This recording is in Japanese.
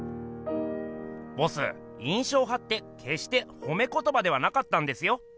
ボス「印象派」ってけっしてほめことばではなかったんですよ。